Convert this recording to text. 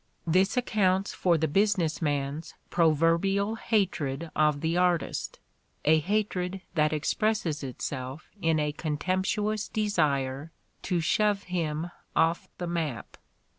This accounts for the business man's proverbial hatred of the artist, a hatred that ex presses itself in a contemptuous desire to '' shove him off the map."